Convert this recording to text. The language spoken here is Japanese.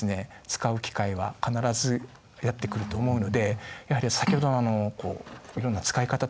使う機会は必ずやって来ると思うのでやはり先ほどのいろんな使い方とかですね